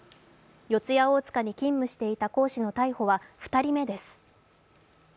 四谷大塚に勤務していた講師の逮捕は２人目です。